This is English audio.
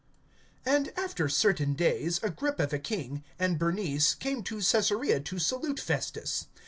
(13)And after certain days, Agrippa the king, and Bernice, came to Caesarea to salute Festus.